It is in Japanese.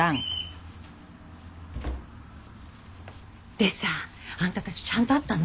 でさあんたたちちゃんとあったの？